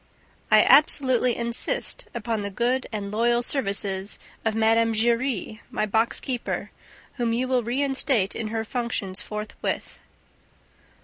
I absolutely insist upon the good and loyal services of Mme. Giry, my box keeper, whom you will reinstate in her functions forthwith.